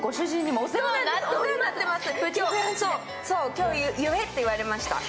今日言えって言われました。